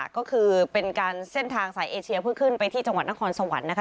ก็คือเป็นการเส้นทางสายเอเชียเพื่อขึ้นไปที่จังหวัดนครสวรรค์นะคะ